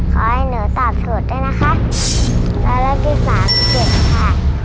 ขอให้หนูตอบโทรธได้นะคะตัวเลขที่สามเจ็บค่ะ